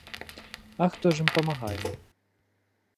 А хто ж ім памагае?